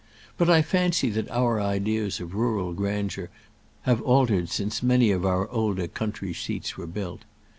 But I fancy that our ideas of rural grandeur have altered since many of our older country seats were built.